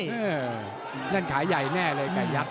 ฮืออ๖๕ขวานั่นขายใหญ่แน่เลยไก่ยักษ์